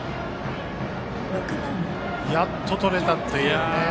やっと取れたっていうね。